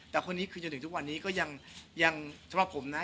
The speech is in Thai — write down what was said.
แต่คนนี้คือจนถึงทุกวันนี้ก็ยังสำหรับผมนะ